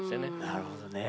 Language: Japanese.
なるほどね。